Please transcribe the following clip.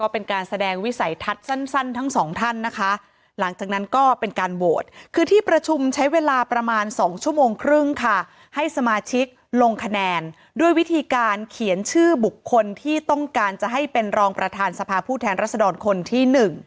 ประมาณ๒ชั่วโมงครึ่งค่ะให้สมาชิกลงคะแนนด้วยวิธีการเขียนชื่อบุคคลที่ต้องการจะให้เป็นรองประธานสภาผู้แทนรัศดรคนที่๑